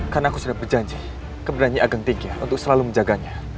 karena aku sudah berjanji keberanian ageng tinggir untuk selalu menjaganya